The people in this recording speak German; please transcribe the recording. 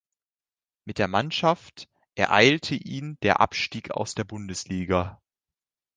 Mit der Mannschaft ereilte ihn der Abstieg aus der Bundesliga.